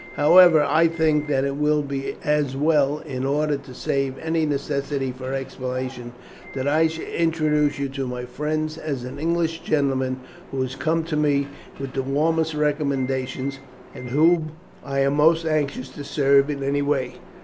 However, I think that it will be as well, in order to save any necessity for explanation, that I should introduce you to my friends as an English gentleman who has come to me with the warmest recommendations, and whom I am most anxious to serve in any way.